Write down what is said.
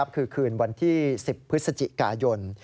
คือคืนวันที่๑๐พฤศจิกายน